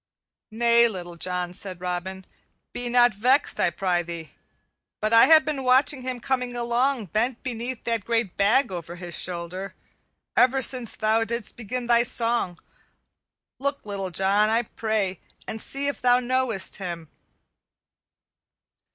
"Nay, Little John," said Robin, "be not vexed, I prythee; but I have been watching him coming along, bent beneath that great bag over his shoulder, ever since thou didst begin thy song. Look, Little John, I pray, and see if thou knowest him."